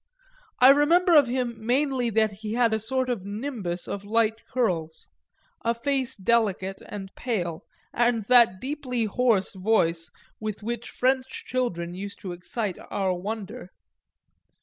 I remember of him mainly that he had a sort of nimbus of light curls, a face delicate and pale and that deeply hoarse voice with which French children used to excite our wonder.